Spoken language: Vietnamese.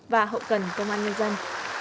và hậu cần công an nhân dân